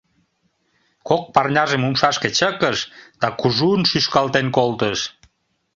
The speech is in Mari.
Кок парняжым умшашке чыкыш да кужун шӱшкалтен колтыш.